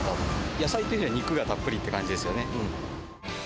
野菜というよりは肉がたっぷりという感じですよね。